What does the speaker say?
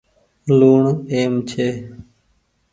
لوُڻ اهم ڇي۔